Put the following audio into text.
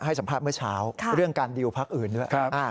ให้สัมภาพเมื่อเช้าค่ะเรื่องการดิวภาคอื่นด้วยครับอ่า